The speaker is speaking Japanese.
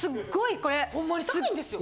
ほんまに高いんですよ。